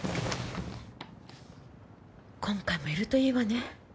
今回もいるといいわね